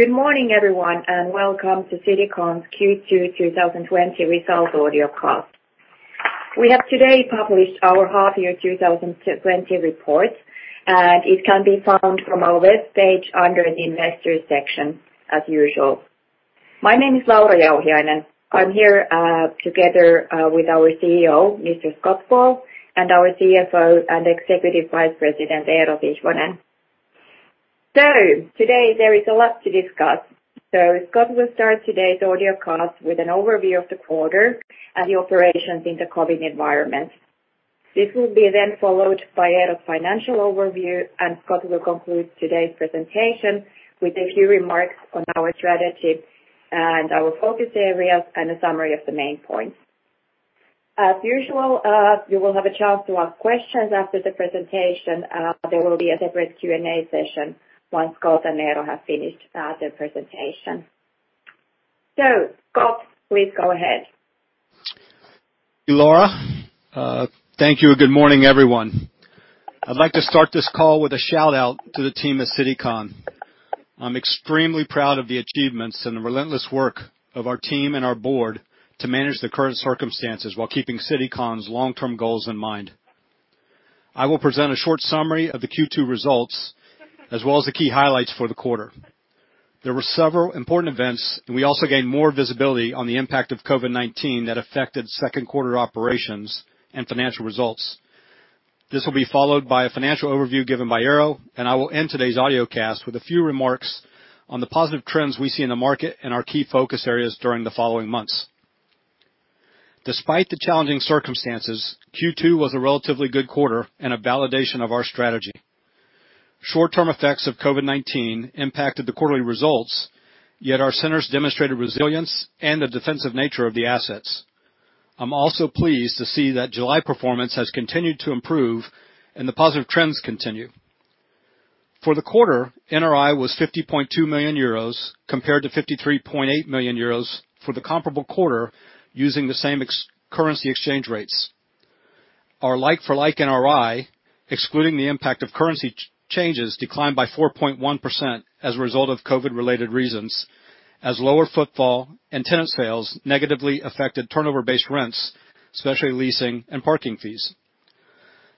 Good morning, everyone, and welcome to Citycon's Q2 2020 results audio cast. We have today published our half year 2020 report, and it can be found from our webpage under the Investors section as usual. My name is Laura Jauhiainen. I am here, together with our CEO, Mr. Scott Ball, and our CFO and Executive Vice President, Eero Sihvonen. Today, there is a lot to discuss. Scott will start today's audio cast with an overview of the quarter and the operations in the COVID environment. This will be then followed by Eero financial overview, and Scott will conclude today's presentation with a few remarks on our strategy and our focus areas, and a summary of the main points. As usual, you will have a chance to ask questions after the presentation. There will be a separate Q and A session once Scott and Eero have finished their presentation. Scott, please go ahead. Laura. Thank you. Good morning, everyone. I'd like to start this call with a shout-out to the team at Citycon. I'm extremely proud of the achievements and the relentless work of our team and our board to manage the current circumstances while keeping Citycon's long-term goals in mind. I will present a short summary of the Q2 results, as well as the key highlights for the quarter. There were several important events, and we also gained more visibility on the impact of COVID-19 that affected second quarter operations and financial results. This will be followed by a financial overview given by Eero, and I will end today's audiocast with a few remarks on the positive trends we see in the market and our key focus areas during the following months. Despite the challenging circumstances, Q2 was a relatively good quarter and a validation of our strategy. Short-term effects of COVID-19 impacted the quarterly results, yet our centers demonstrated resilience and the defensive nature of the assets. I'm also pleased to see that July performance has continued to improve and the positive trends continue. For the quarter, NRI was 50.2 million euros, compared to 53.8 million euros for the comparable quarter using the same currency exchange rates. Our like-for-like NRI, excluding the impact of currency changes, declined by 4.1% as a result of COVID-related reasons, as lower footfall and tenant sales negatively affected turnover-based rents, especially leasing and parking fees.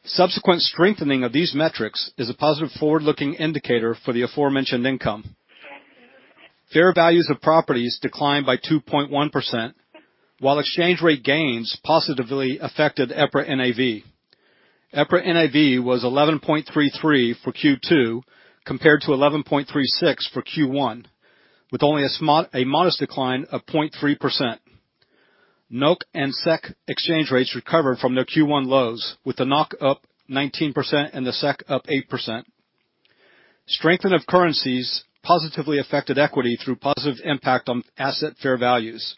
Subsequent strengthening of these metrics is a positive forward-looking indicator for the aforementioned income. Fair values of properties declined by 2.1%, while exchange rate gains positively affected EPRA NAV. EPRA NAV was 11.33 for Q2, compared to 11.36 for Q1, with only a modest decline of 0.3%. NOK and SEK exchange rates recovered from their Q1 lows, with the NOK up 19% and the SEK up 8%. Strengthening of currencies positively affected equity through positive impact on asset fair values.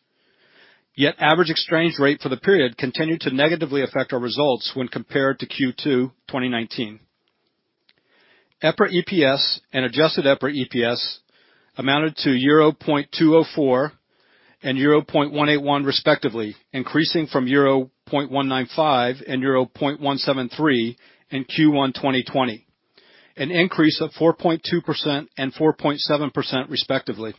Average exchange rate for the period continued to negatively affect our results when compared to Q2 2019. EPRA EPS and Adjusted EPRA EPS amounted to euro 0.204 and euro 0.181 respectively, increasing from euro 0.195 and euro 0.173 in Q1 2020, an increase of 4.2% and 4.7% respectively.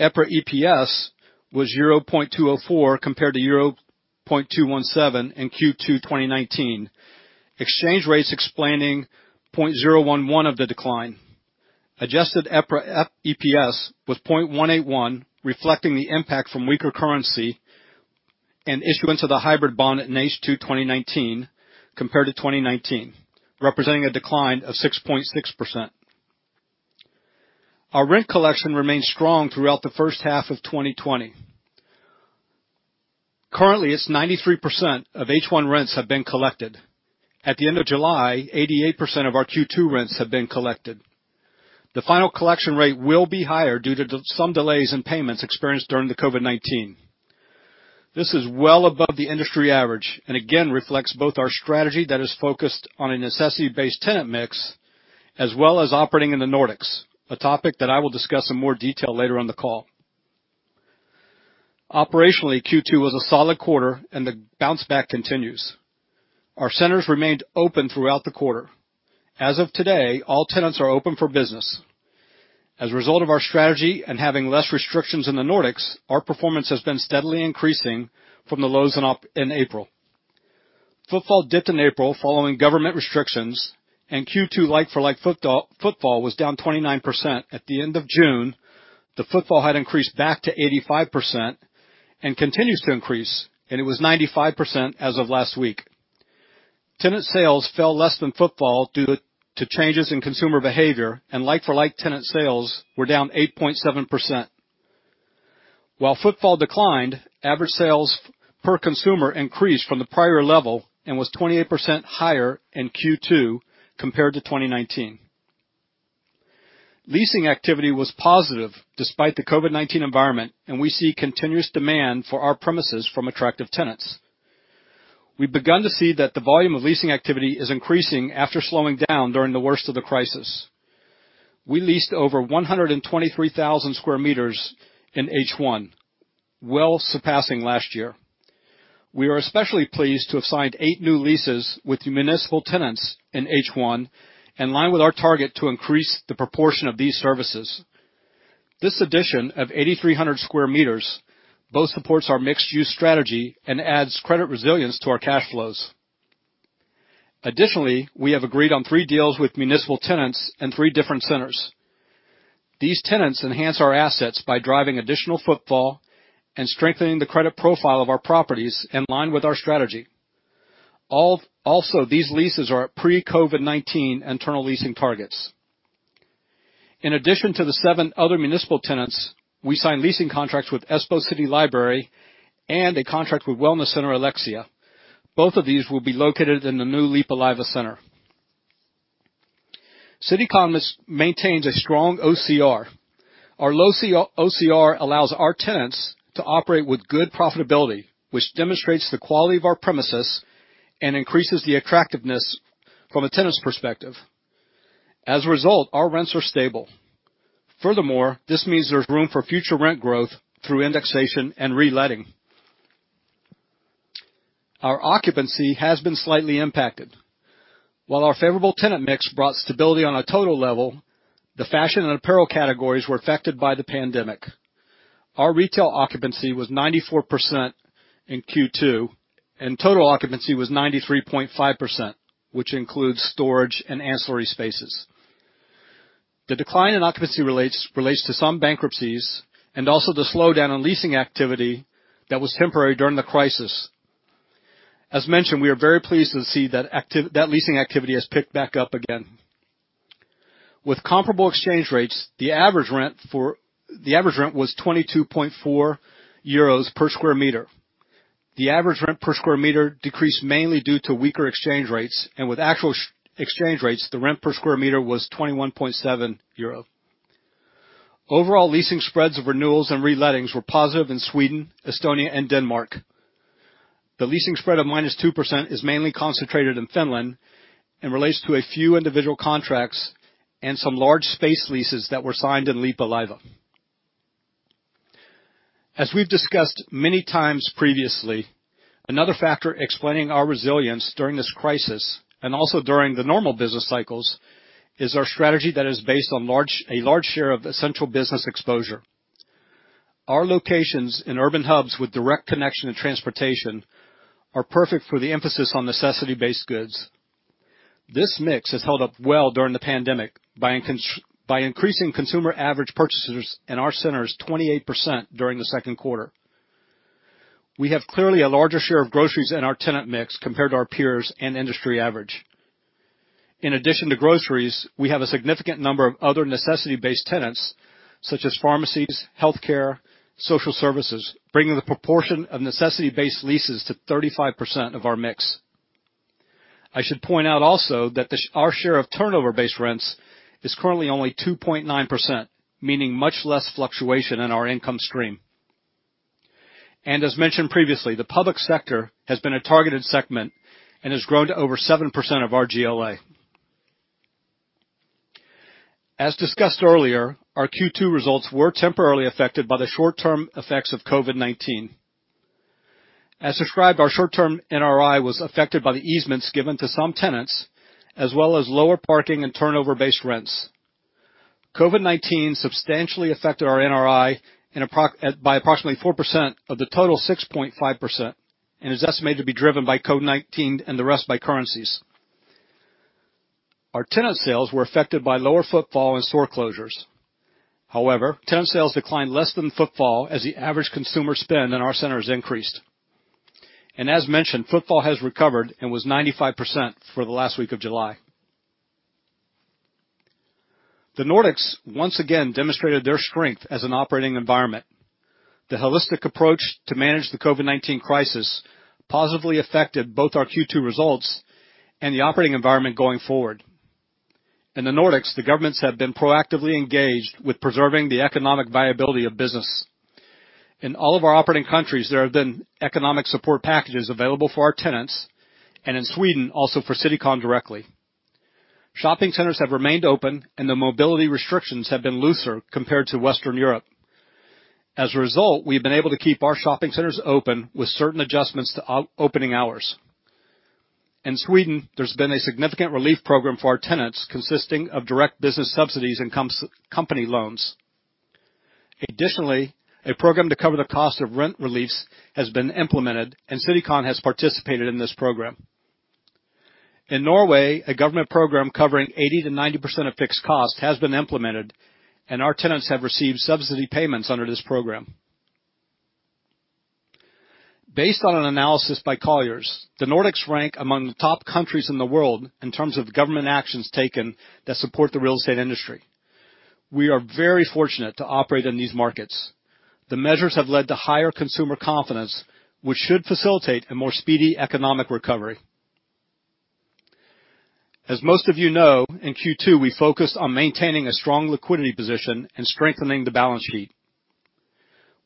EPRA EPS was euro 0.204 compared to euro 0.217 in Q2 2019, exchange rates explaining 0.011 of the decline. Adjusted EPRA EPS was 0.181, reflecting the impact from weaker currency and issuance of the hybrid bond in H2 2019 compared to 2019, representing a decline of 6.6%. Our rent collection remained strong throughout the first half of 2020. Currently, 93% of H1 rents have been collected. At the end of July, 88% of our Q2 rents have been collected. The final collection rate will be higher due to some delays in payments experienced during the COVID-19. This is well above the industry average and again reflects both our strategy that is focused on a necessity-based tenant mix, as well as operating in the Nordics, a topic that I will discuss in more detail later on the call. Operationally, Q2 was a solid quarter and the bounce back continues. Our centers remained open throughout the quarter. As of today, all tenants are open for business. As a result of our strategy and having less restrictions in the Nordics, our performance has been steadily increasing from the lows in April. Footfall dipped in April following government restrictions, and Q2 like-for-like footfall was down 29%. At the end of June, the footfall had increased back to 85% and continues to increase, and it was 95% as of last week. Tenant sales fell less than footfall due to changes in consumer behavior, and like-for-like tenant sales were down 8.7%. While footfall declined, average sales per consumer increased from the prior level and was 28% higher in Q2 compared to 2019. Leasing activity was positive despite the COVID-19 environment, and we see continuous demand for our premises from attractive tenants. We've begun to see that the volume of leasing activity is increasing after slowing down during the worst of the crisis. We leased over 123,000 sq m in H1, well surpassing last year. We are especially pleased to have signed eight new leases with the municipal tenants in H1, in line with our target to increase the proportion of these services. This addition of 8,300 square meters both supports our mixed-use strategy and adds credit resilience to our cash flows. We have agreed on three deals with municipal tenants in three different centers. These tenants enhance our assets by driving additional footfall and strengthening the credit profile of our properties in line with our strategy. These leases are at pre-COVID-19 internal leasing targets. In addition to the seven other municipal tenants, we signed leasing contracts with Espoo City Library and a contract with Wellness Center Elixia. Both of these will be located in the new Leppävaara Center. Citycon maintains a strong OCR. Our low OCR allows our tenants to operate with good profitability, which demonstrates the quality of our premises and increases the attractiveness from a tenant's perspective. Our rents are stable. This means there's room for future rent growth through indexation and reletting. Our occupancy has been slightly impacted. While our favorable tenant mix brought stability on a total level, the fashion and apparel categories were affected by the pandemic. Our retail occupancy was 94% in Q2, and total occupancy was 93.5%, which includes storage and ancillary spaces. The decline in occupancy relates to some bankruptcies and also the slowdown in leasing activity that was temporary during the crisis. As mentioned, we are very pleased to see that leasing activity has picked back up again. With comparable exchange rates, the average rent was 22.4 euros per square meter. The average rent per square meter decreased mainly due to weaker exchange rates, and with actual exchange rates, the rent per square meter was 21.7 euro. Overall, leasing spreads of renewals and relettings were positive in Sweden, Estonia, and Denmark. The leasing spread of -2% is mainly concentrated in Finland and relates to a few individual contracts and some large space leases that were signed in Leppävaara. As we've discussed many times previously, another factor explaining our resilience during this crisis, and also during the normal business cycles, is our strategy that is based on a large share of essential business exposure. Our locations in urban hubs with direct connection and transportation are perfect for the emphasis on necessity-based goods. This mix has held up well during the pandemic by increasing consumer average purchases in our centers 28% during the second quarter. We have clearly a larger share of groceries in our tenant mix compared to our peers and industry average. In addition to groceries, we have a significant number of other necessity-based tenants such as pharmacies, healthcare, social services, bringing the proportion of necessity-based leases to 35% of our mix. I should point out also that our share of turnover based rents currently at 2.9%. Meaning much less fluctuation in our income stream. As mentioned previously, the public sector has been a targeted segment and has grown to over 7% of our GLA. As discussed earlier, our Q2 results were temporarily affected by the short-term effects of COVID-19. As described, our short-term NRI was affected by the easements given to some tenants, as well as lower parking and turnover-based rents. COVID-19 substantially affected our NRI by approximately 4% of the total 6.5% and is estimated to be driven by COVID-19, and the rest by currencies. Our tenant sales were affected by lower footfall and store closures. However, tenant sales declined less than footfall as the average consumer spend in our centers increased. As mentioned, footfall has recovered and was 95% for the last week of July. The Nordics once again demonstrated their strength as an operating environment. The holistic approach to manage the COVID-19 crisis positively affected both our Q2 results and the operating environment going forward. In the Nordics, the governments have been proactively engaged with preserving the economic viability of business. In all of our operating countries, there have been economic support packages available for our tenants, and in Sweden, also for Citycon directly. Shopping centers have remained open, and the mobility restrictions have been looser compared to Western Europe. As a result, we've been able to keep our shopping centers open with certain adjustments to opening hours. In Sweden, there's been a significant relief program for our tenants consisting of direct business subsidies and company loans. Additionally, a program to cover the cost of rent reliefs has been implemented, and Citycon has participated in this program. In Norway, a government program covering 80%-90% of fixed cost has been implemented, and our tenants have received subsidy payments under this program. Based on an analysis by Colliers, the Nordics rank among the top countries in the world in terms of government actions taken that support the real estate industry. We are very fortunate to operate in these markets. The measures have led to higher consumer confidence, which should facilitate a more speedy economic recovery. As most of you know, in Q2, we focused on maintaining a strong liquidity position and strengthening the balance sheet.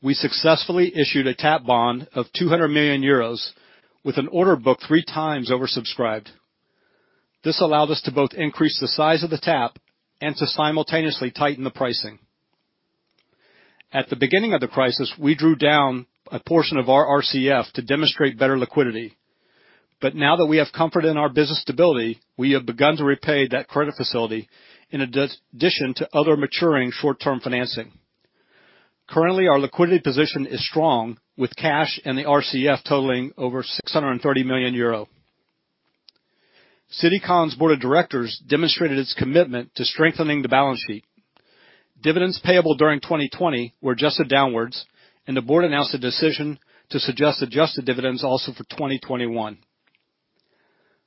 We successfully issued a TAP bond of 200 million euros with an order book three times oversubscribed. This allowed us to both increase the size of the TAP and to simultaneously tighten the pricing. At the beginning of the crisis, we drew down a portion of our RCF to demonstrate better liquidity. Now that we have comfort in our business stability, we have begun to repay that credit facility in addition to other maturing short-term financing. Currently, our liquidity position is strong, with cash and the RCF totaling over 630 million euro. Citycon's board of directors demonstrated its commitment to strengthening the balance sheet. Dividends payable during 2020 were adjusted downwards, and the board announced a decision to suggest adjusted dividends also for 2021.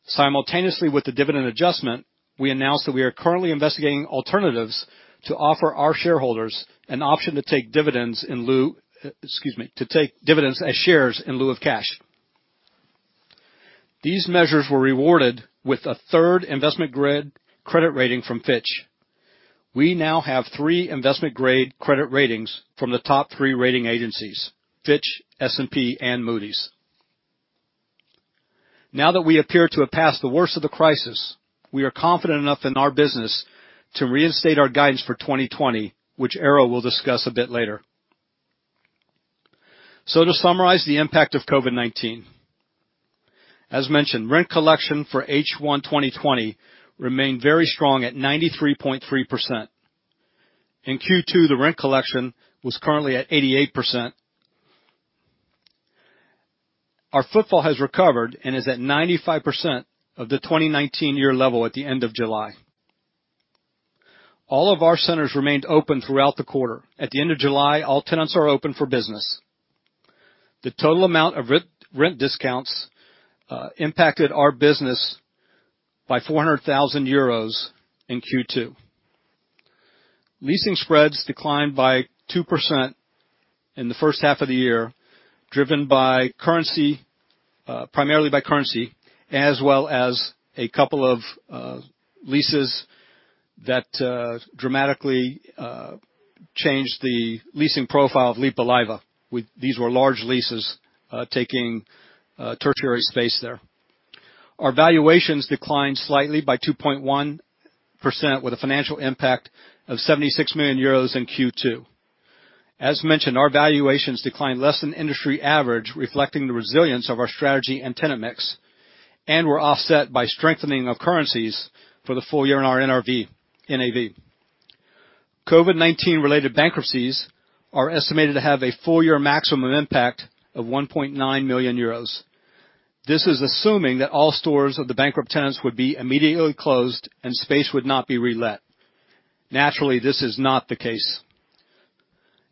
Simultaneously with dividend adjustment we announce that we are currently investigating alternatives to offer our shareholders an option to take dividend as share as lieu of cash. This measure were rewarded with a third investment credit rating from Fitch. That we appear to have passed the worst of the crisis, we are confident enough in our business to reinstate our guidance for 2020, which Eero will discuss a bit later. To summarize the impact of COVID-19. As mentioned, rent collection for H1 2020 remained very strong at 93.3%. In Q2, the rent collection was currently at 88%. Our footfall has recovered and is at 95% of the 2019 year level at the end of July. All of our centers remained open throughout the quarter. At the end of July, all tenants are open for business. The total amount of rent discounts impacted our business by 400,000 euros in Q2. Leasing spreads declined by 2% in the first half of the year, driven primarily by currency, as well as a couple of leases that dramatically changed the leasing profile of Leppävaara. These were large leases taking tertiary space there. Our valuations declined slightly by 2.1%, with a financial impact of 76 million euros in Q2. As mentioned, our valuations declined less than industry average, reflecting the resilience of our strategy and tenant mix, and were offset by strengthening of currencies for the full year in our NAV. COVID-19 related bankruptcies are estimated to have a full-year maximum impact of 1.9 million euros. This is assuming that all stores of the bankrupt tenants would be immediately closed, and space would not be re-let. Naturally, this is not the case.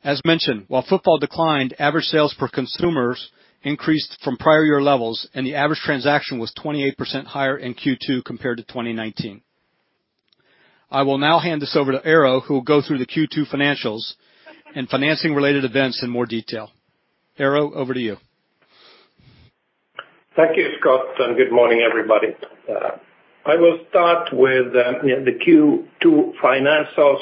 As mentioned, while footfall declined, average sales per consumers increased from prior year levels, and the average transaction was 28% higher in Q2 compared to 2019. I will now hand this over to Eero, who will go through the Q2 financials and financing related events in more detail. Eero, over to you. Thank you, Scott. Good morning, everybody. I will start with the Q2 financials.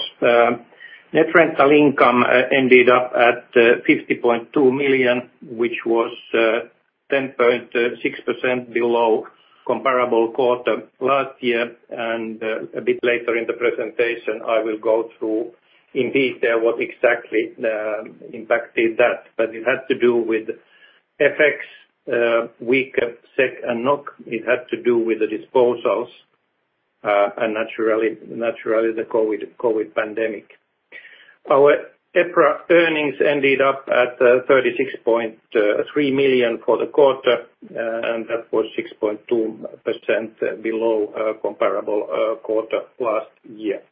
Net rental income ended up at 50.2 million, which was 10.6% below comparable quarter last year. A bit later in the presentation, I will go through in detail what exactly impacted that. It had to do with FX, weaker SEK and NOK. It had to do with the disposals, and naturally, the COVID-19 pandemic. Our EPRA earnings ended up at 36.3 million for the quarter, and that was 6.2% below comparable quarter last year.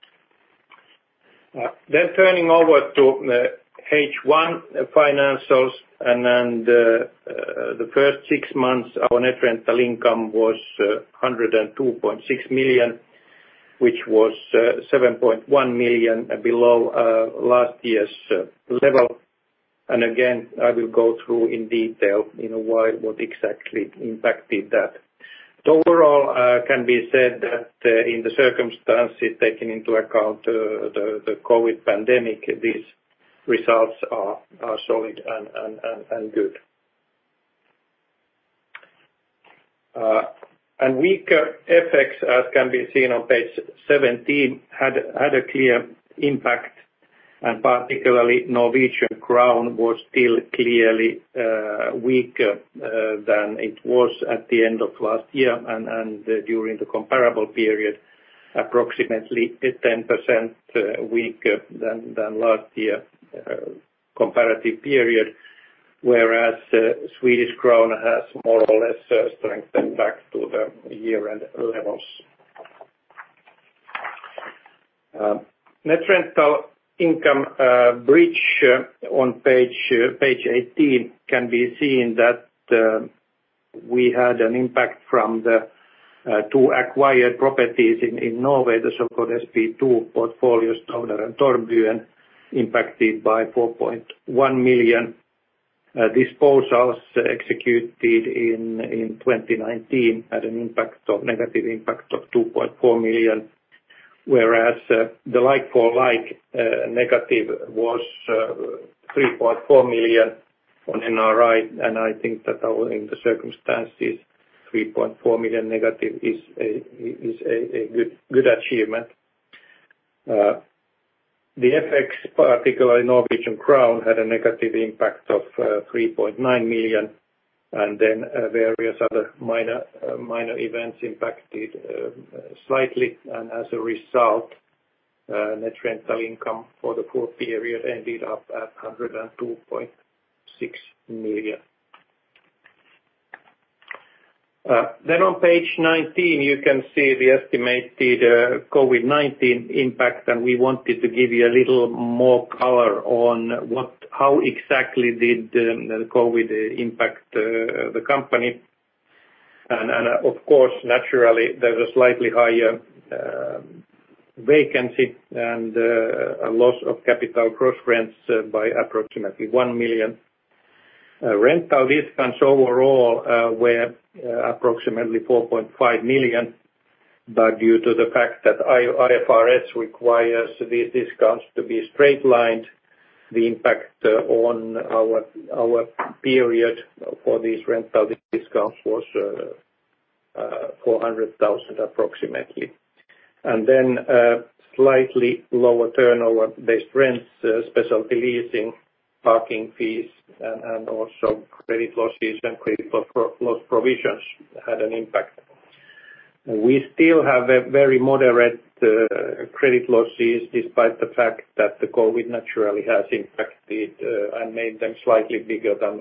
Turning over to H1 financials. The first six months, our net rental income was 102.6 million, which was 7.1 million below last year's level. Again, I will go through in detail what exactly impacted that. Overall, it can be said that in the circumstances, taking into account the COVID-19 pandemic, these results are solid and good. Weaker FX, as can be seen on page 17, had a clear impact. Particularly Norwegian krone was still clearly weaker than it was at the end of last year and during the comparable period, approximately 10% weaker than last year comparative period, whereas Swedish Krona has more or less strengthened back to the year-end levels. Net rental income bridge. On page 18 can be seen that we had an impact from the two acquired properties in Norway, the so-called SP2, Stovner and Torvbyen, impacted by 4.1 million disposals executed in 2019 at a negative impact of 2.4 million. Whereas the like-for-like negative was 3.4 million. On NRI, I think that in the circumstances, 3.4 million negative is a good achievement. The FX, particularly Norwegian Krone, had a negative impact of 3.9 million, and then various other minor events impacted slightly, and as a result, net rental income for the full period ended up at 102.6 million. On page 19, you can see the estimated COVID-19 impact. We wanted to give you a little more color on how exactly did the COVID impact the company. Of course, naturally, there's a slightly higher vacancy and a loss of capital gross rents by approximately 1 million. Rental discounts overall were approximately 4.5 million. Due to the fact that IFRS requires these discounts to be straight-lined, the impact on our period for these rental discounts was 400,000 approximately. Slightly lower turnover-based rents, special leasing, parking fees, and also credit losses and credit loss provisions had an impact. We still have very moderate credit losses, despite the fact that the COVID-19 naturally has impacted and made them slightly bigger than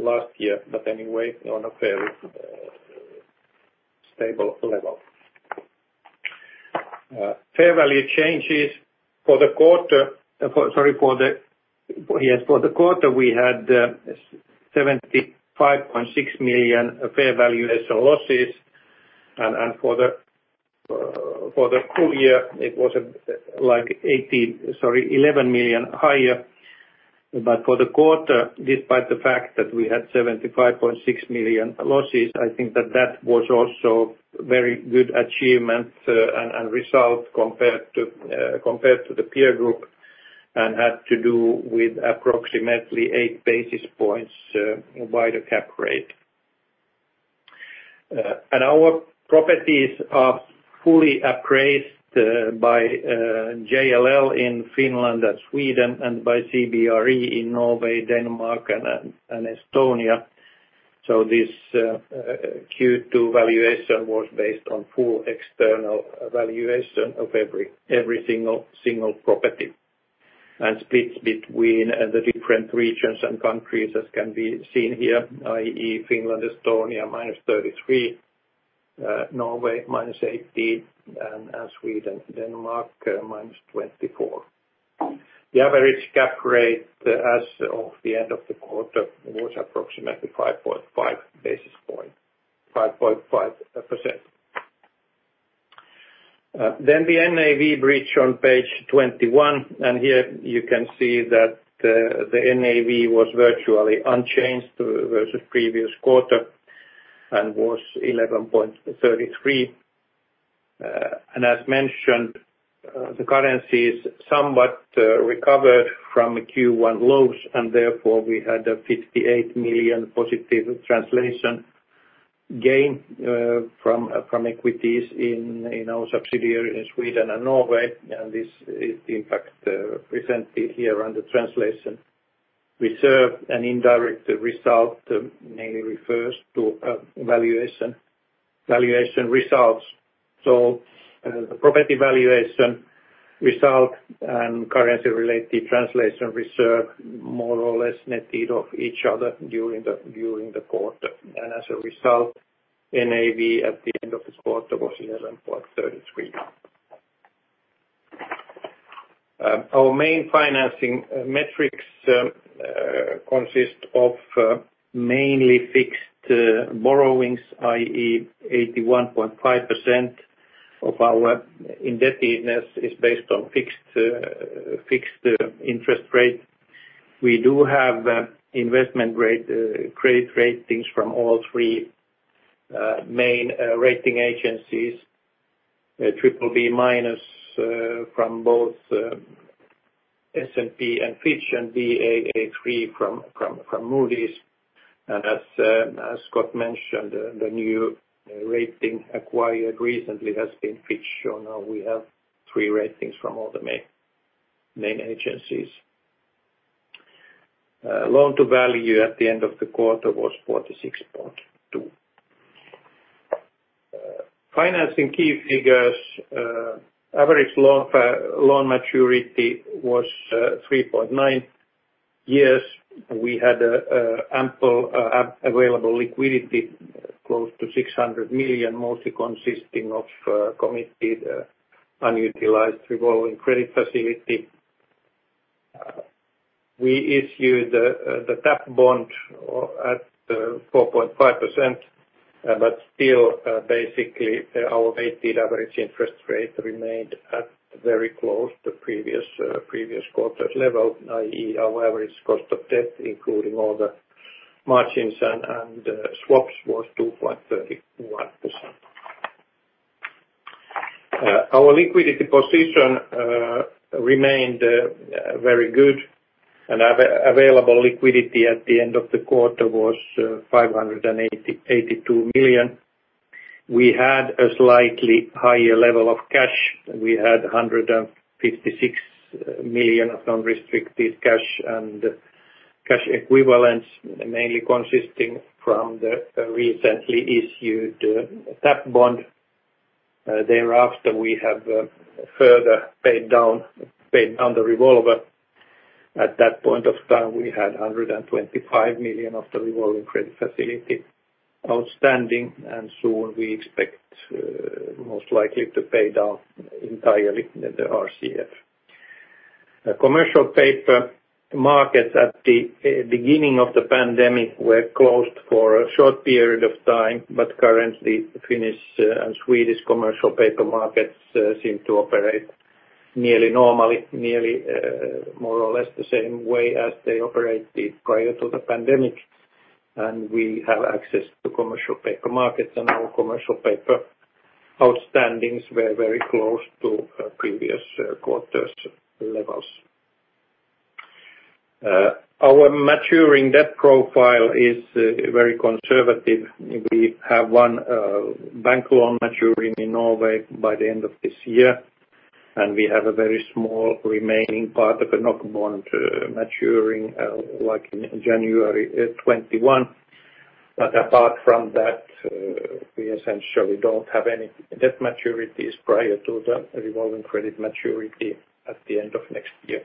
last year. Anyway, on a fairly stable level. Fair value changes for the quarter we had 75.6 million fair value as losses, and for the full year, it was 11 million higher. For the quarter, despite the fact that we had 75.6 million losses, I think that was also very good achievement and result compared to the peer group and had to do with approximately eight basis points by the cap rate. Our properties are fully appraised by JLL in Finland and Sweden and by CBRE in Norway, Denmark, and Estonia. This Q2 valuation was based on full external valuation of every single property and splits between the different regions and countries as can be seen here, i.e., Finland, Estonia, -33, Norway, -18, and Sweden, Denmark, -24. The average cap rate as of the end of the quarter was approximately 5.5%. The NAV bridge on page 21, and here you can see that the NAV was virtually unchanged versus the previous quarter and was 11.33. As mentioned, the currencies somewhat recovered from Q1 lows, and therefore we had a 58 million positive translation gain from equities in our subsidiary in Sweden and Norway. This is the impact presented here under translation reserve and indirect result, mainly refers to valuation results. The property valuation result and currency-related translation reserve more or less netted off each other during the quarter. As a result, NAV at the end of this quarter was 11.33. Our main financing metrics consist of mainly fixed borrowings, i.e., 81.5% of our indebtedness is based on fixed interest rate. We do have investment credit ratings from all three main rating agencies, BBB- from both S&P and Fitch and Baa3 from Moody's. As Scott mentioned, the new rating acquired recently has been Fitch. Now we have three ratings from all the main agencies. Loan to value at the end of the quarter was 46.2%. Financing key figures. Average loan maturity was 3.9 years. We had ample available liquidity, close to 600 million, mostly consisting of committed unutilized revolving credit facility. We issued the tap bond at 4.5%, but still, basically, our weighted average interest rate remained at very close to previous quarter's level, i.e., our average cost of debt, including all the margins and swaps, was 2.31%. Our liquidity position remained very good and available liquidity at the end of the quarter was 582 million. We had a slightly higher level of cash. We had 156 million of unrestricted cash and cash equivalents, mainly consisting from the recently issued tap bond. Thereafter, we have further paid down the revolver. At that point of time, we had 125 million of the revolving credit facility outstanding, and soon we expect most likely to pay down entirely the RCF. Commercial paper markets at the beginning of the pandemic were closed for a short period of time. Currently Finnish and Swedish commercial paper markets seem to operate nearly normally, nearly more or less the same way as they operated prior to the pandemic. We have access to commercial paper markets, and our commercial paper outstandings were very close to previous quarters' levels. Our maturing debt profile is very conservative. We have one bank loan maturing in Norway by the end of this year, and we have a very small remaining part of a NOK bond maturing in January 2021. Apart from that, we essentially don't have any debt maturities prior to the revolving credit maturity at the end of next year.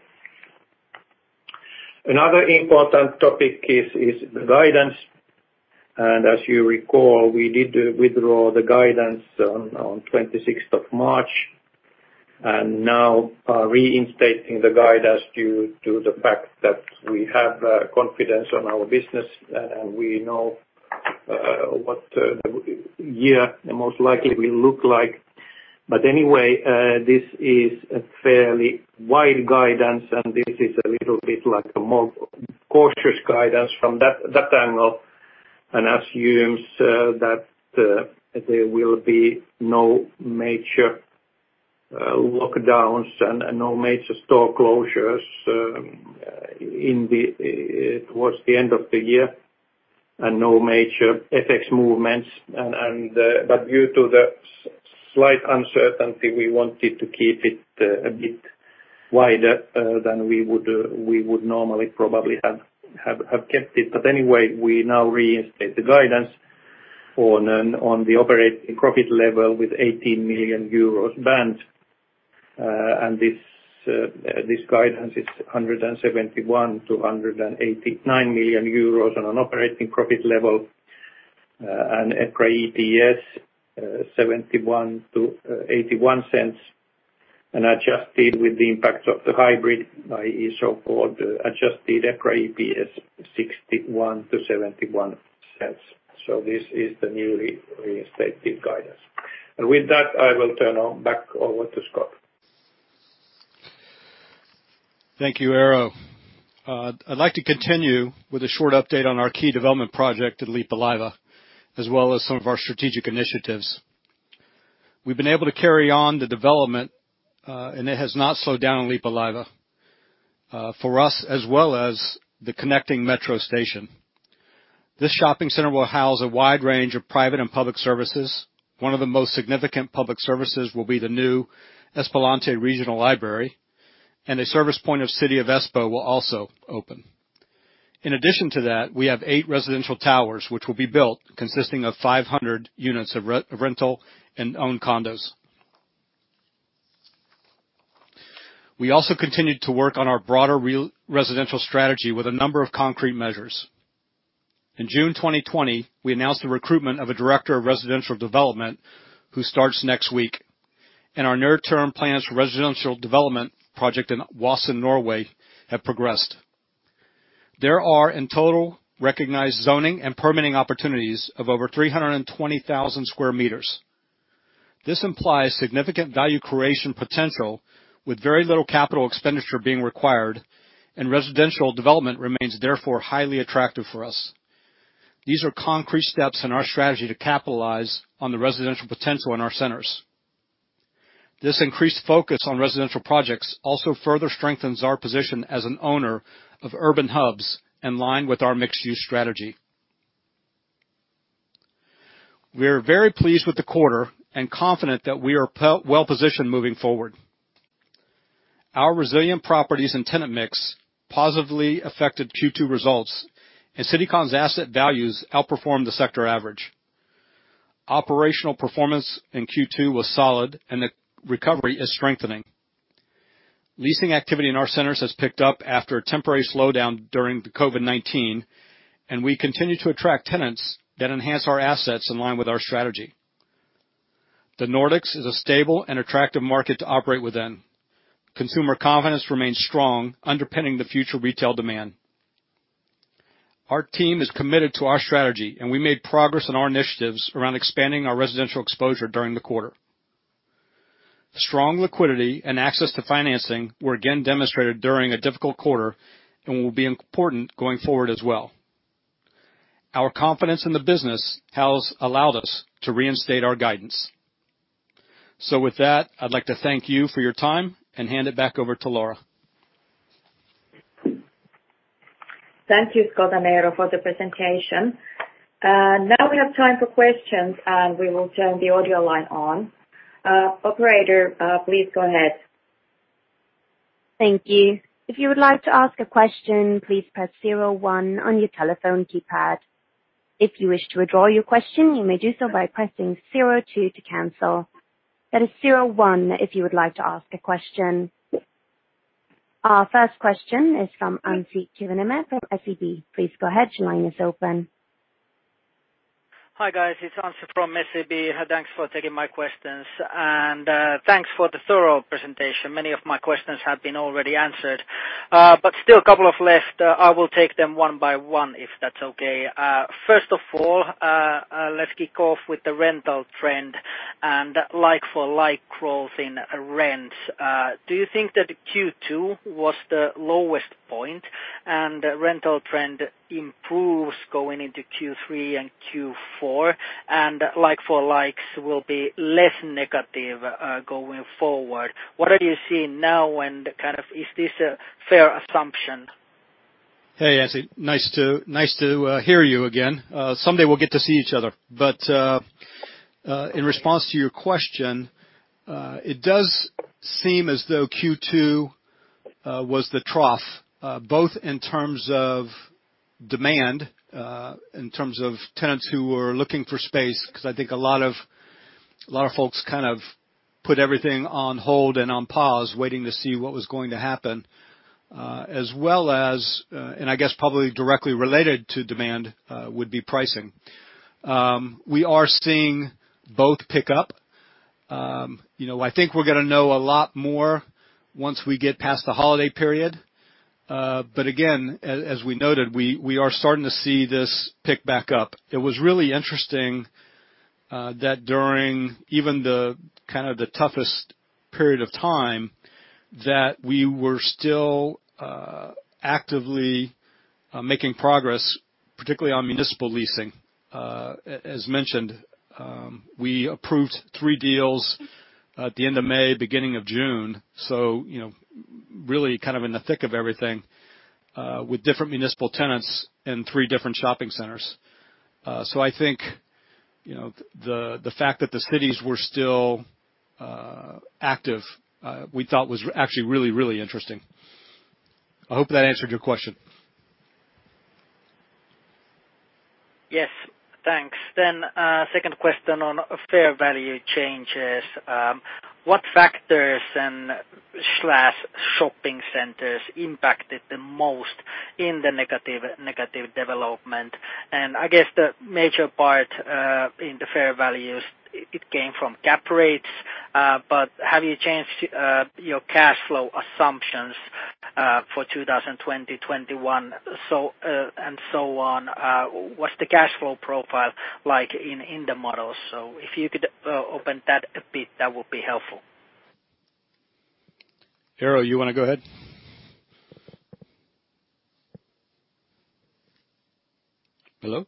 Another important topic is the guidance. As you recall, we did withdraw the guidance on 26th of March, and now are reinstating the guidance due to the fact that we have confidence on our business, and we know what the year most likely will look like. Anyway, this is a fairly wide guidance, and this is a little bit like a more cautious guidance from that angle and assumes that there will be no major lockdowns and no major store closures towards the end of the year and no major FX movements. Due to the slight uncertainty, we wanted to keep it a bit wider than we would normally probably have kept it. Anyway, we now reinstate the guidance on the operating profit level with 18 million euros band. This guidance is 171 million-189 million euros on an operating profit level, EPRA EPS 0.71-0.81, and adjusted with the impact of the hybrid, i.e., so-called adjusted EPRA EPS 0.61-0.71. This is the newly reinstated guidance. With that, I will turn back over to Scott. Thank you, Eero. I'd like to continue with a short update on our key development project at Leppävaara, as well as some of our strategic initiatives. We've been able to carry on the development, and it has not slowed down on Leppävaara for us, as well as the connecting metro station. This shopping center will house a wide range of private and public services. One of the most significant public services will be the new Espoonlahti regional library, and a service point of City of Espoo will also open. In addition to that, we have eight residential towers which will be built, consisting of 500 units of rental and owned condos. We also continued to work on our broader residential strategy with a number of concrete measures. In June 2020, we announced the recruitment of a director of residential development, who starts next week, and our near-term plans for residential development project in Vaasa, Finland, have progressed. There are, in total, recognized zoning and permitting opportunities of over 320,000 sq m. This implies significant value creation potential with very little capital expenditure being required. Residential development remains therefore highly attractive for us. These are concrete steps in our strategy to capitalize on the residential potential in our centers. This increased focus on residential projects also further strengthens our position as an owner of urban hubs in line with our mixed-use strategy. We are very pleased with the quarter and confident that we are well-positioned moving forward. Our resilient properties and tenant mix positively affected Q2 results. Citycon's asset values outperformed the sector average. Operational performance in Q2 was solid. The recovery is strengthening. Leasing activity in our centers has picked up after a temporary slowdown during the COVID-19, and we continue to attract tenants that enhance our assets in line with our strategy. The Nordics is a stable and attractive market to operate within. Consumer confidence remains strong, underpinning the future retail demand. Our team is committed to our strategy, and we made progress on our initiatives around expanding our residential exposure during the quarter. Strong liquidity and access to financing were again demonstrated during a difficult quarter and will be important going forward as well. Our confidence in the business has allowed us to reinstate our guidance. With that, I'd like to thank you for your time and hand it back over to Laura. Thank you, Scott and Eero, for the presentation. Now we have time for questions, and we will turn the audio line on. Operator, please go ahead. Thank you. If you would like to ask a question, please press zero one on your telephone keypad. If you wish to withdraw your question, you may do so by pressing zero two to cancel. That is zero one if you would like to ask a question. Our first question is from Anssi Kiviniemi from SEB. Please go ahead, your line is open. Hi, guys. It's Anssi from SEB. Thanks for taking my questions. Thanks for the thorough presentation. Many of my questions have been already answered. Still a couple of left. I will take them one by one if that's okay. First of all, let's kick off with the rental trend and like-for-like growth in rents. Do you think that Q2 was the lowest point and rental trend improves going into Q3 and Q4 and like-for-likes will be less negative, going forward? What are you seeing now and is this a fair assumption? Hey, Anssi. Nice to hear you again. Someday we'll get to see each other. In response to your question, it does seem as though Q2 was the trough. Both in terms of demand, in terms of tenants who were looking for space, because I think a lot of folks kind of put everything on hold and on pause waiting to see what was going to happen. As well as, I guess probably directly related to demand, would be pricing. We are seeing both pick up. I think we're going to know a lot more once we get past the holiday period. Again, as we noted, we are starting to see this pick back up. It was really interesting that during even the toughest period of time, that we were still actively making progress, particularly on municipal leasing. As mentioned, we approved three deals at the end of May, beginning of June. Really in the thick of everything, with different municipal tenants in three different shopping centers. I think, the fact that the cities were still active, we thought was actually really interesting. I hope that answered your question. Yes. Thanks. Second question on fair value changes. What factors and slash shopping centers impacted the most in the negative development? I guess the major part, in the fair values, it came from cap rates. Have you changed your cash flow assumptions for 2020, 2021 and so on? What's the cash flow profile like in the models? If you could open that a bit, that would be helpful. Eero, you want to go ahead? Hello.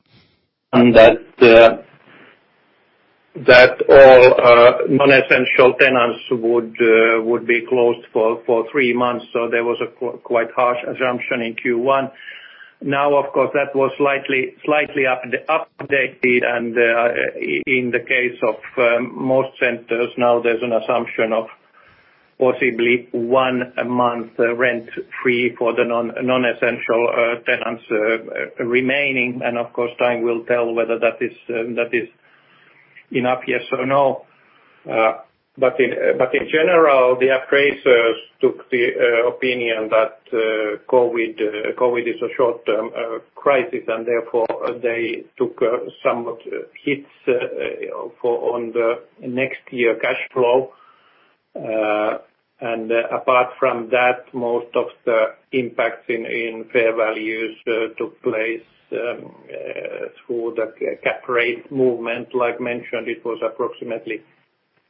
That all non-essential tenants would be closed for three months, so there was a quite harsh assumption in Q1. Of course, that was slightly updated. In the case of most centers, now there's an assumption of possibly one month rent free for the non-essential tenants remaining. Of course, time will tell whether that is enough, yes or no. In general, the appraisers took the opinion that COVID-19 is a short-term crisis, and therefore they took some hits on the next year cash flow. Apart from that, most of the impacts in fair values took place through the cap rate movement. Like mentioned, it was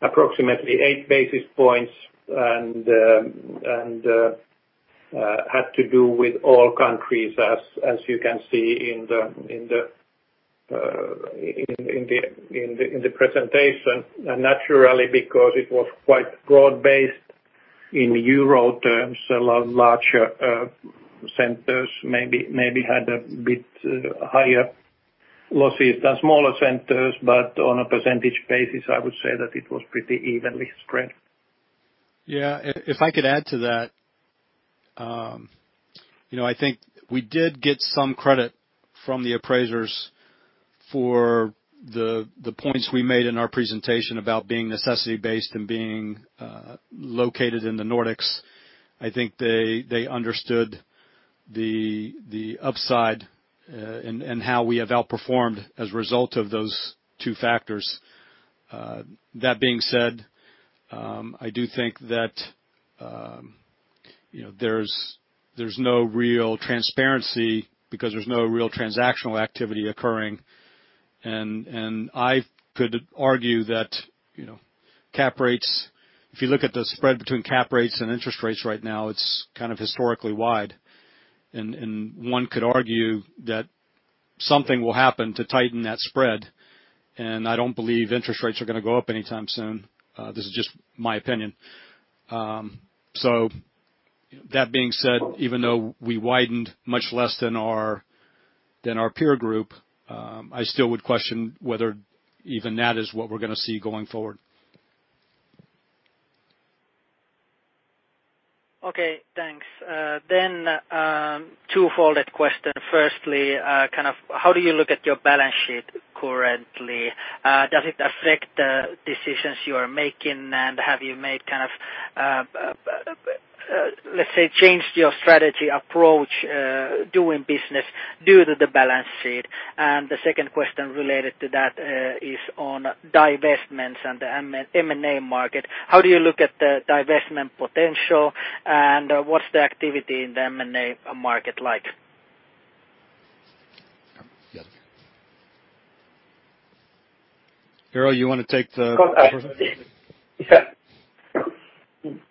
approximately 8 basis points and had to do with all countries as you can see in the presentation. Naturally, because it was quite broad-based in euro terms, a lot larger centers maybe had a bit higher losses than smaller centers. On a percentage basis, I would say that it was pretty evenly spread. Yeah. If I could add to that. I think we did get some credit from the appraisers for the points we made in our presentation about being necessity-based and being located in the Nordics. I think they understood the upside, and how we have outperformed as a result of those two factors. That being said, I do think that there's no real transparency because there's no real transactional activity occurring. I could argue that cap rates, if you look at the spread between cap rates and interest rates right now, it's historically wide. One could argue that something will happen to tighten that spread, and I don't believe interest rates are going to go up anytime soon. This is just my opinion. That being said, even though we widened much less than our peer group, I still would question whether even that is what we're going to see going forward. Okay, thanks. A two-fold question. Firstly, how do you look at your balance sheet currently? Does it affect the decisions you are making? Have you made, let's say, changed your strategy approach doing business due to the balance sheet? The second question related to that is on divestments and the M&A market. How do you look at the divestment potential, and what's the activity in the M&A market like? Eero, you want to take the first-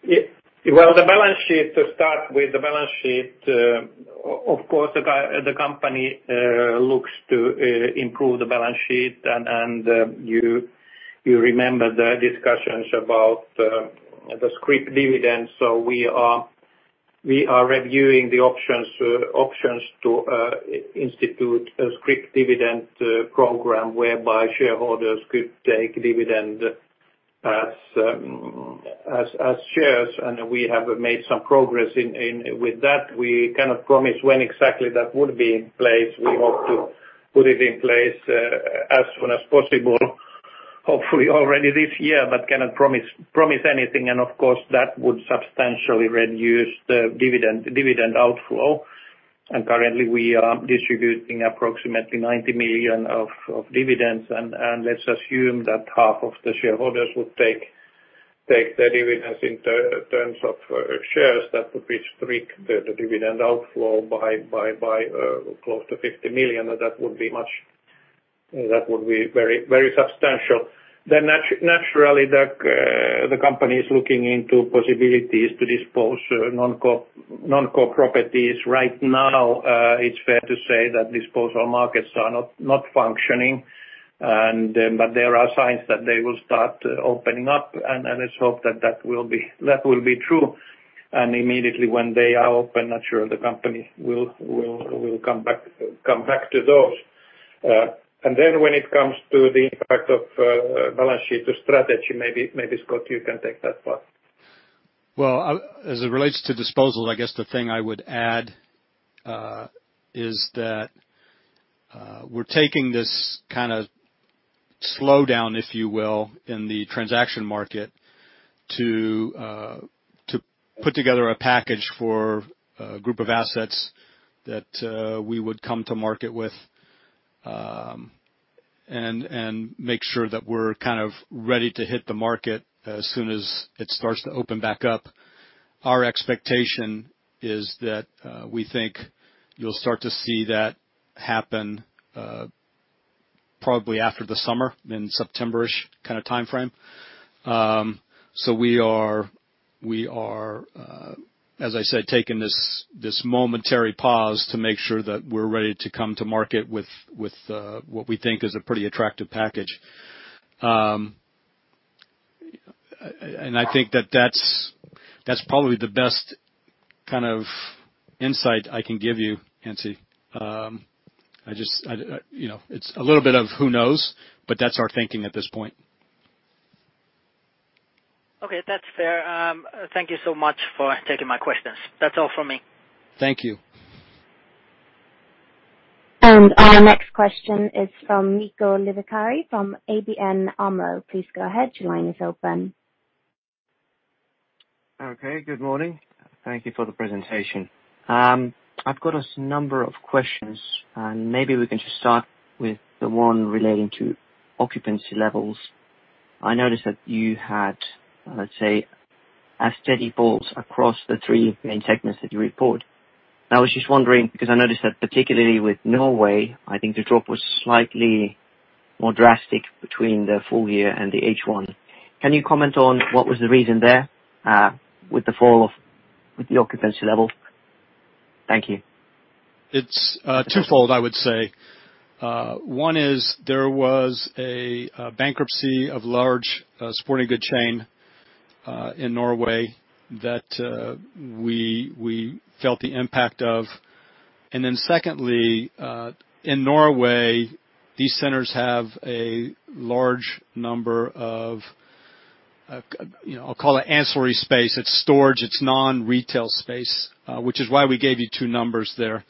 Yeah. Well, the balance sheet. To start with the balance sheet, of course, the company looks to improve the balance sheet, and you remember the discussions about the scrip dividend. We are reviewing the options to institute a scrip dividend program whereby shareholders could take dividend as shares, and we have made some progress with that. We cannot promise when exactly that would be in place. We hope to put it in place as soon as possible, hopefully already this year, but cannot promise anything. Of course, that would substantially reduce the dividend outflow. Currently, we are distributing approximately 90 million of dividends, and let's assume that half of the shareholders would take their dividends in terms of shares. That would restrict the dividend outflow by close to 50 million. That would be very substantial. Naturally, the company is looking into possibilities to dispose non-core properties. Right now, it's fair to say that disposal markets are not functioning. There are signs that they will start opening up, and let's hope that will be true. Immediately when they are open, naturally the company will come back to those. When it comes to the impact of balance sheet strategy, maybe Scott, you can take that part. Well, as it relates to disposals, I guess the thing I would add is that we're taking this kind of slowdown, if you will, in the transaction market to put together a package for a group of assets that we would come to market with. Make sure that we're ready to hit the market as soon as it starts to open back up. Our expectation is that we think you'll start to see that happen probably after the summer, in September-ish kind of timeframe. We are, as I said, taking this momentary pause to make sure that we're ready to come to market with what we think is a pretty attractive package. I think that's probably the best kind of insight I can give you, Anssi. It's a little bit of who knows, but that's our thinking at this point. Okay. That's fair. Thank you so much for taking my questions. That's all from me. Thank you. Our next question is from Niko Levikari from ABN AMRO. Please go ahead. Your line is open. Okay, good morning. Thank you for the presentation. I've got a number of questions. Maybe we can just start with the one relating to occupancy levels. I noticed that you had, let's say, a steady falls across the three main segments that you report. I was just wondering, because I noticed that particularly with Norway, I think the drop was slightly more drastic between the full year and the H1. Can you comment on what was the reason there with the fall of the occupancy level? Thank you. It's twofold, I would say. One is there was a bankruptcy of large sporting good chain in Norway that we felt the impact of. Secondly, in Norway, these centers have a large number of, I'll call it ancillary space. It's storage. It's non-retail space, which is why we gave you two numbers there.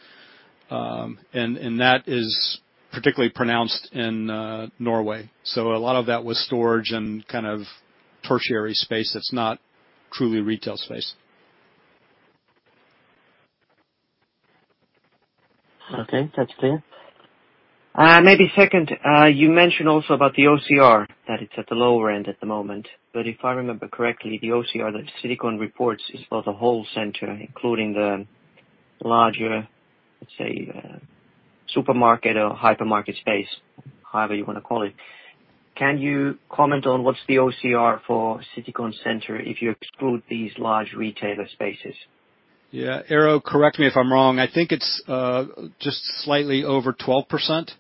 That is particularly pronounced in Norway. A lot of that was storage and kind of tertiary space that's not truly retail space. Okay, that's clear. Maybe second, you mentioned also about the OCR, that it's at the lower end at the moment. If I remember correctly, the OCR that Citycon reports is for the whole center, including the larger, let's say, supermarket or hypermarket space, however you want to call it. Can you comment on what's the OCR for Citycon Center if you exclude these large retailer spaces? Yeah. Eero, correct me if I'm wrong. I think it's just slightly over 12%.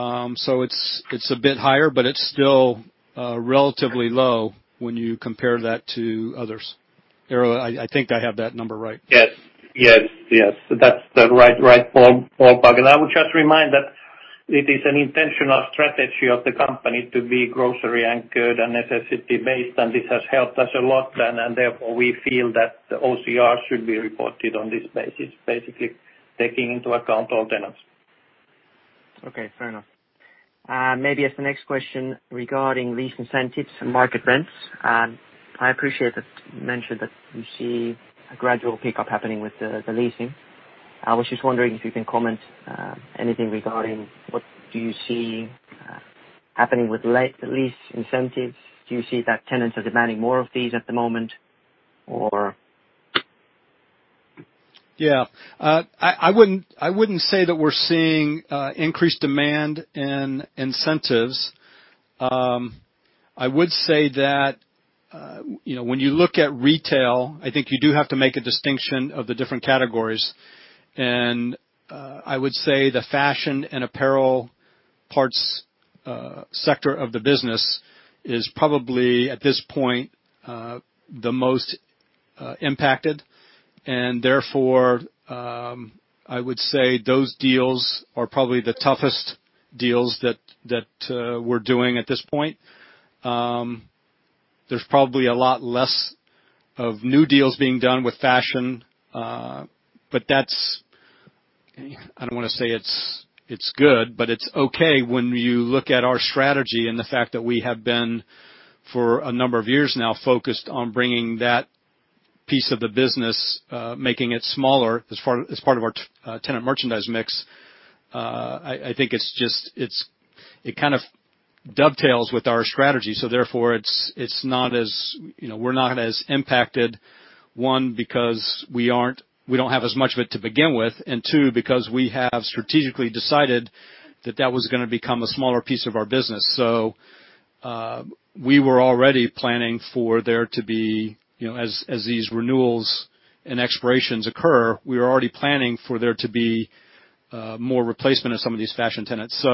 It's a bit higher, but it's still relatively low when you compare that to others. Eero, I think I have that number right. Yes. That's the right form. I would just remind that it is an intentional strategy of the company to be grocery anchored and necessity based, and this has helped us a lot.mTherefore, we feel that the OCR should be reported on this basis, basically taking into account all tenants. Okay. Fair enough. Maybe as the next question regarding lease incentives and market rents. I appreciate that you mentioned that you see a gradual pickup happening with the leasing. I was just wondering if you can comment anything regarding what do you see happening with lease incentives. Do you see that tenants are demanding more of these at the moment? I wouldn't say that we're seeing increased demand in incentives. I would say that when you look at retail, I think you do have to make a distinction of the different categories. I would say the fashion and apparel parts sector of the business is probably, at this point, the most impacted. Therefore, I would say those deals are probably the toughest deals that we're doing at this point. There's probably a lot less of new deals being done with fashion. That's, I don't want to say it's good, but it's okay when you look at our strategy and the fact that we have been, for a number of years now, focused on bringing that piece of the business, making it smaller as part of our tenant merchandise mix. I think it kind of dovetails with our strategy. Therefore, we're not as impacted, one, because we don't have as much of it to begin with, and two, because we have strategically decided that that was going to become a smaller piece of our business. We were already planning for there to be, as these renewals and expirations occur, we were already planning for there to be more replacement of some of these fashion tenants.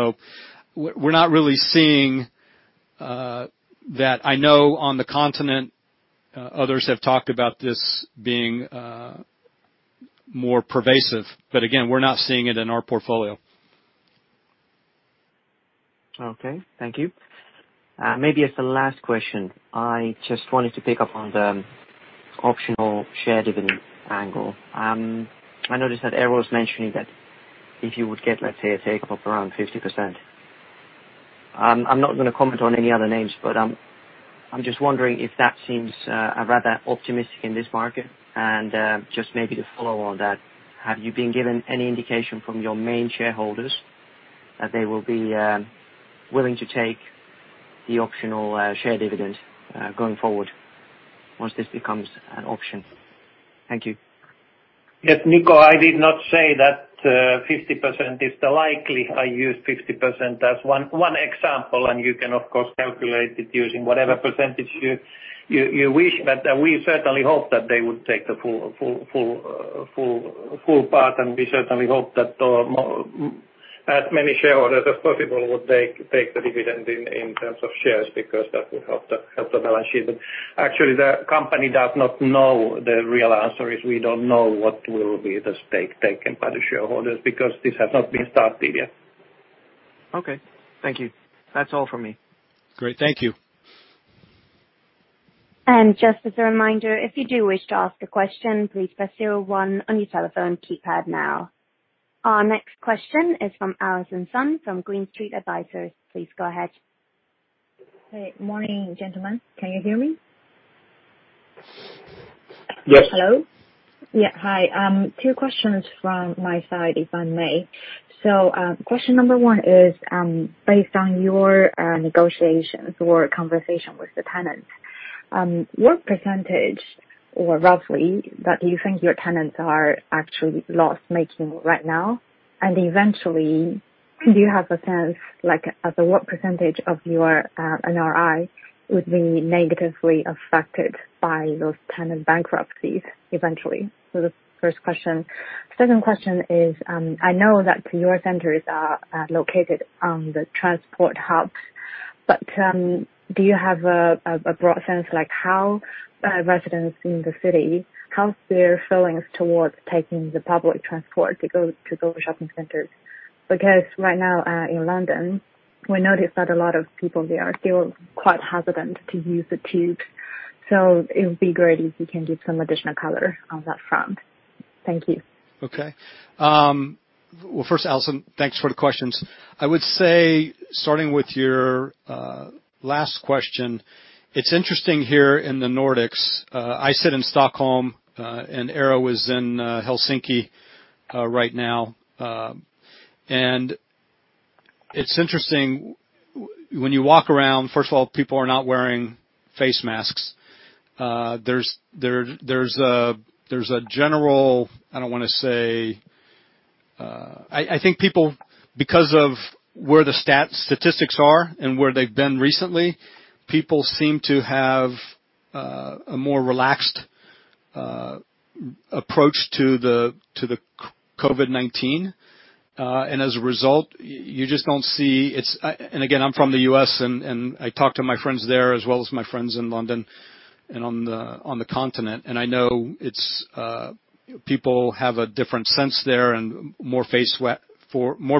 We're not really seeing that. I know on the continent, others have talked about this being more pervasive. Again, we're not seeing it in our portfolio. Okay. Thank you. Maybe as the last question, I just wanted to pick up on the optional share dividend angle. I noticed that Eero was mentioning that if you would get, let's say, a take-up of around 50%. I'm not going to comment on any other names, but I'm just wondering if that seems rather optimistic in this market. Just maybe to follow on that, have you been given any indication from your main shareholders that they will be willing to take the optional share dividend going forward once this becomes an option? Thank you. Yes. Niko, I did not say that 50% is the likely. I used 50% as one example, and you can, of course, calculate it using whatever percentage you wish. We certainly hope that they would take the full part, and we certainly hope that as many shareholders as possible would take the dividend in terms of shares, because that would help the balance sheet. Actually, the company does not know. The real answer is we don't know what will be the stake taken by the shareholders because this has not been started yet. Okay. Thank you. That's all from me. Great. Thank you. Just as a reminder, if you do wish to ask a question, please press zero one on your telephone keypad now. Our next question is from Allison Sun from Green Street Advisors. Please go ahead. Hey. Morning, gentlemen. Can you hear me? Yes. Hello? Yeah. Hi. Two questions from my side, if I may. Question number one is, based on your negotiations or conversation with the tenants, what percentage, or roughly, that you think your tenants are actually loss-making right now? Eventually, do you have a sense, as a what percentage of your NRI would be negatively affected by those tenant bankruptcies eventually? The first question. Second question is, I know that your centers are located on the transport hubs, do you have a broad sense how residents in the city, how's their feelings towards taking the public transport to go to those shopping centers? Because right now in London, we noticed that a lot of people, they are still quite hesitant to use the tube. It would be great if you can give some additional color on that front. Thank you. Well, first, Allison, thanks for the questions. I would say, starting with your last question. It's interesting here in the Nordics. I sit in Stockholm, and Eero is in Helsinki right now. When you walk around, first of all, people are not wearing face masks. There's a general, I don't want to say I think people, because of where the statistics are and where they've been recently, people seem to have a more relaxed approach to the COVID-19. As a result, and again, I'm from the U.S., and I talk to my friends there as well as my friends in London and on the continent, and I know people have a different sense there and more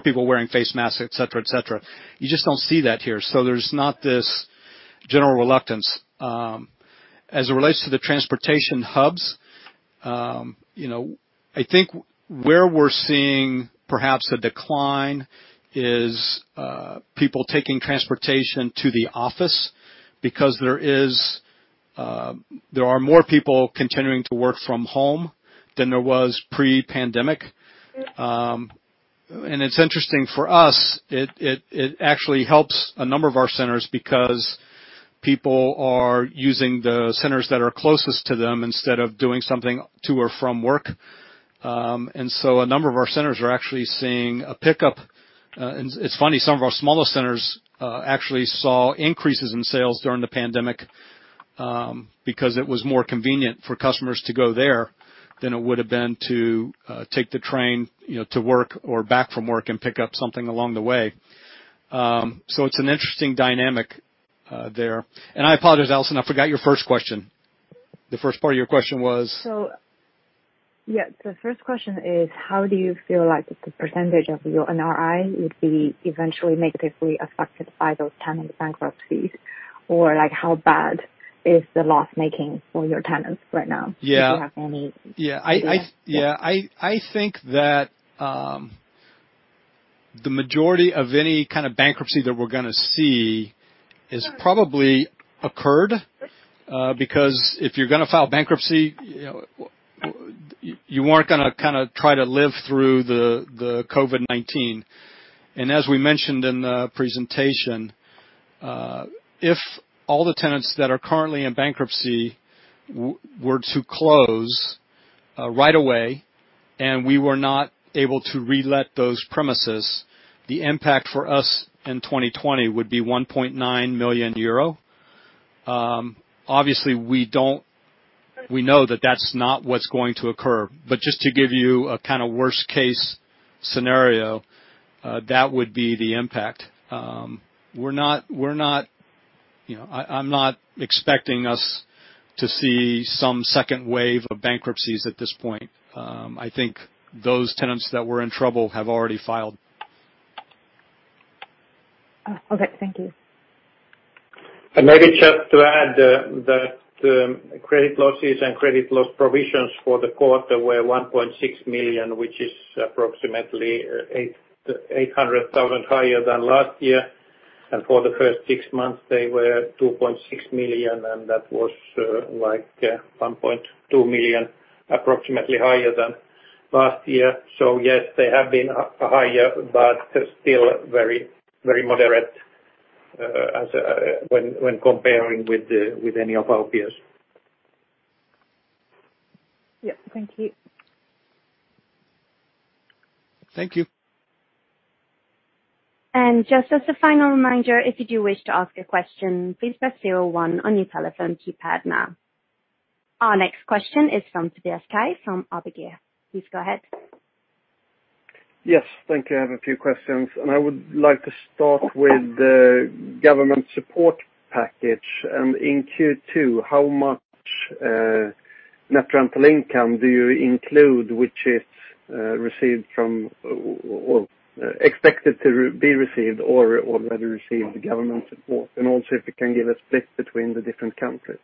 people wearing face masks, et cetera. You just don't see that here. There's not this general reluctance. As it relates to the transportation hubs, I think where we're seeing perhaps a decline is people taking transportation to the office because there are more people continuing to work from home than there was pre-pandemic. It's interesting for us, it actually helps a number of our centers because people are using the centers that are closest to them instead of doing something to or from work. A number of our centers are actually seeing a pickup. It's funny, some of our smallest centers actually saw increases in sales during the pandemic, because it was more convenient for customers to go there than it would have been to take the train to work or back from work and pick up something along the way. It's an interesting dynamic there. I apologize, Allison, I forgot your first question. The first part of your question was? The first question is, how do you feel like the percentage of your NRI would be eventually negatively affected by those tenant bankruptcies? Or how bad is the loss making for your tenants right now? Yeah. Do you have any idea? Yeah. I think that the majority of any kind of bankruptcy that we're going to see has probably occurred. Because if you're going to file bankruptcy, you aren't going to try to live through the COVID-19. As we mentioned in the presentation, if all the tenants that are currently in bankruptcy were to close right away, and we were not able to relet those premises, the impact for us in 2020 would be 1.9 million euro. Obviously, we know that that's not what's going to occur. Just to give you a worst-case scenario, that would be the impact. I'm not expecting us to see some second wave of bankruptcies at this point. I think those tenants that were in trouble have already filed. Okay. Thank you. Maybe just to add that credit losses and credit loss provisions for the quarter were 1.6 million, which is approximately 800,000 higher than last year. For the first six months, they were 2.6 million, and that was like 1.2 million approximately higher than last year. Yes, they have been higher, but still very moderate when comparing with any of our peers. Yeah. Thank you. Thank you. Just as a final reminder, if you do wish to ask a question, please press zero one on your telephone keypad now. Our next question is from Tobias Kaj from ABG. Please go ahead. Yes. Thank you. I have a few questions. I would like to start with the government support package. In Q2, how much net rental income do you include, which is expected to be received or already received the government support? Also, if you can give a split between the different countries.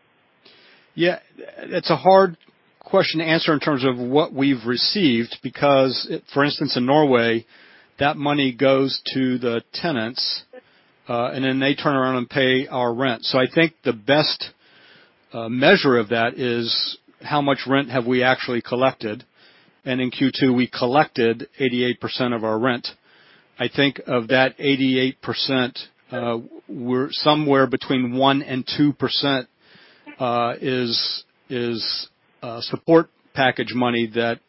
Yeah. It's a hard question to answer in terms of what we've received, because, for instance, in Norway, that money goes to the tenants, and then they turn around and pay our rent. I think the best measure of that is how much rent have we actually collected. And in Q2, we collected 88% of our rent. I think of that 88%, somewhere between 1% and 2% is support package money that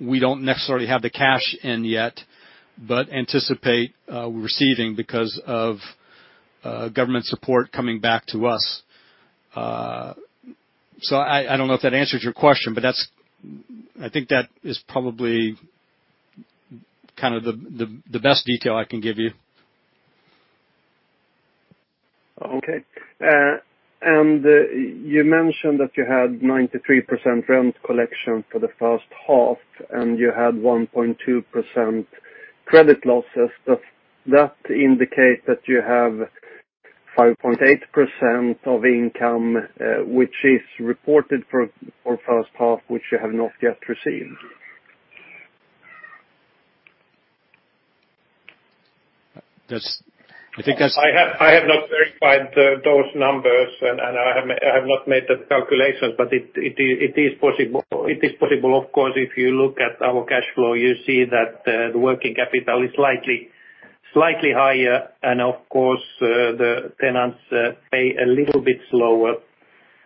we don't necessarily have the cash in yet, but anticipate receiving because of government support coming back to us. I don't know if that answers your question, but I think that is probably the best detail I can give you. Okay. You mentioned that you had 93% rent collection for the first half, and you had 1.2% credit losses. Does that indicate that you have 5.8% of income which is reported for first half, which you have not yet received? I think. I have not verified those numbers, and I have not made the calculations, but it is possible. It is possible, of course, if you look at our cash flow, you see that the working capital is slightly higher. Of course, the tenants pay a little bit slower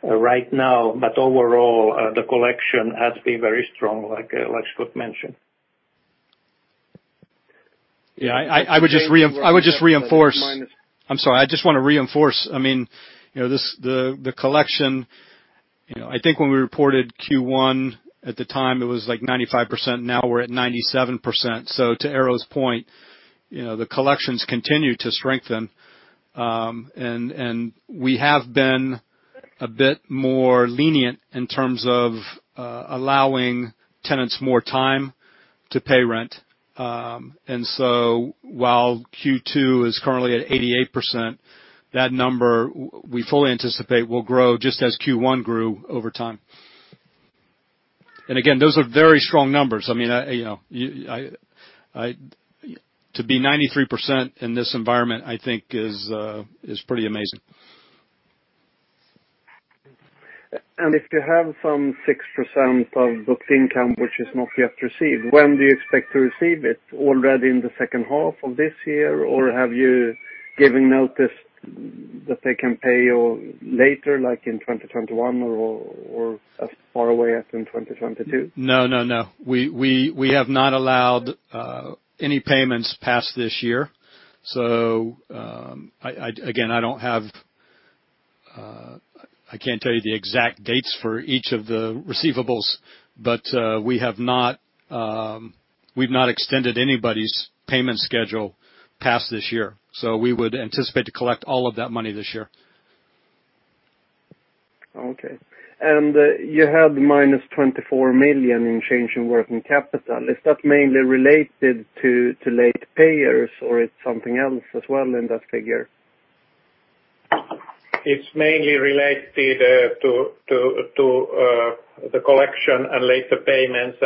right now. Overall, the collection has been very strong, like Scott mentioned. Yeah. I just want to reinforce. The collection, I think when we reported Q1, at the time, it was like 95%. Now we're at 97%. To Eero's point, the collections continue to strengthen. We have been a bit more lenient in terms of allowing tenants more time to pay rent. While Q2 is currently at 88%, that number, we fully anticipate will grow just as Q1 grew over time. Again, those are very strong numbers. To be 93% in this environment, I think, is pretty amazing. If you have some 6% of booked income which is not yet received, when do you expect to receive it? Already in the second half of this year, or have you given notice that they can pay you later, like in 2021 or as far away as in 2022? No. We have not allowed any payments past this year. Again, I can't tell you the exact dates for each of the receivables, but we've not extended anybody's payment schedule past this year. We would anticipate to collect all of that money this year. Okay. You had -24 million in change in working capital. Is that mainly related to late payers or it's something else as well in that figure? It's mainly related to the collection and later payments,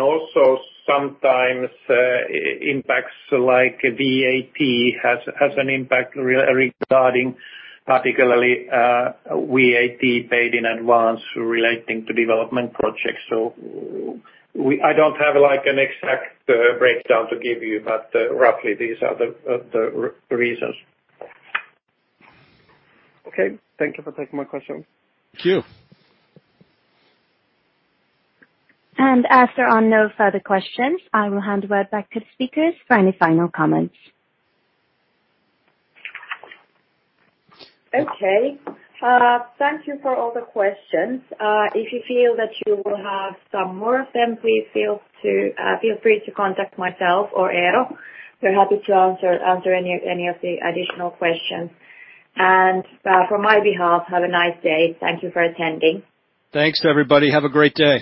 also sometimes impacts like VAT has an impact regarding particularly VAT paid in advance relating to development projects. I don't have an exact breakdown to give you. Roughly these are the reasons. Okay. Thank you for taking my question. Thank you. As there are no further questions, I will hand it back to the speakers for any final comments. Okay. Thank you for all the questions. If you feel that you will have some more of them, please feel free to contact myself or Eero. We're happy to answer any of the additional questions. From my behalf, have a nice day. Thank you for attending. Thanks, everybody. Have a great day.